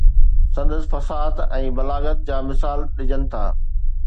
سندس فصاحت ۽ بلاغت جا مثال ڏجن ٿا.